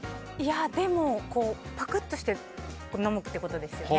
でも、パクッとして飲むってことですよね。